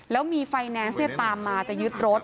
แล้วมีไฟแนนซ์ตามมาจะยึดรถ